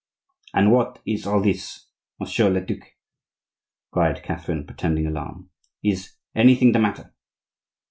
"But what is all this, Monsieur le duc?" cried Catherine, pretending alarm. "Is anything the matter?"